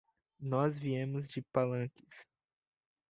Nós viemos de Palanques.